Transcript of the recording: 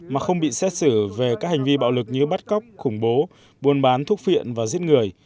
mà không bị xét xử về các hành vi bạo lực như bắt cóc khủng bố buôn bán thuốc phiện và giết người